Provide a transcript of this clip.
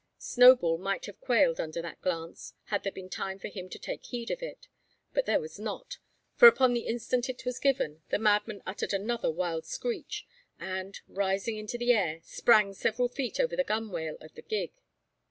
Snowball might have quailed under that glance, had there been time for him to take heed of it. But there was not: for upon the instant it was given the madman uttered another wild screech, and, rising into the air, sprang several feet over the gunwale of the gig.